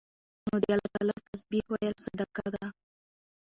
نو د الله تعالی تسبيح ويل صدقه ده